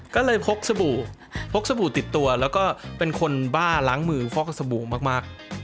ก็เลยพกสบู่พกสบู่ติดตัวแล้วก็เป็นคนบ้าล้างมือฟอกสบู่มาก